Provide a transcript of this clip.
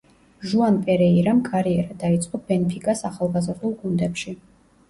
ჟუან პერეირამ კარიერა დაიწყო „ბენფიკას“ ახალგაზრდულ გუნდებში.